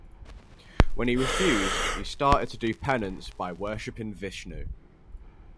When he refused he started to do penance by worshipping Vishnu.